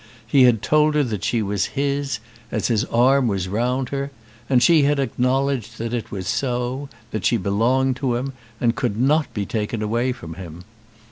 He had told her that she was his, as his arm was round her; and she had acknowledged that it was so, that she belonged to him, and could not be taken away from him.